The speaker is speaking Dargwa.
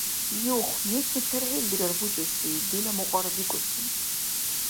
Юх, нешли цархӀил бирар бучӀуси, «Дила мукьара» бикӀуси.